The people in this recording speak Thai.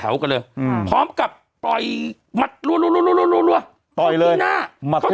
มักขึ้นไปเจ้าดาวเหนือ